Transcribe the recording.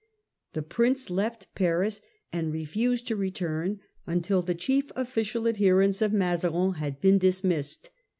The Prince left Paris and re fused to return until the chief official adherents of Mazarin had been dismissed.